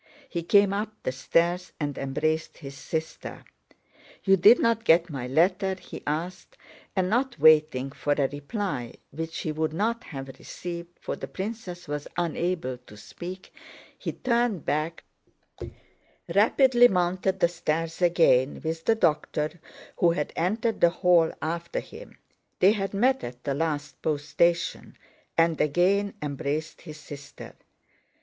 He came up the stairs and embraced his sister. "You did not get my letter?" he asked, and not waiting for a reply—which he would not have received, for the princess was unable to speak—he turned back, rapidly mounted the stairs again with the doctor who had entered the hall after him (they had met at the last post station), and again embraced his sister.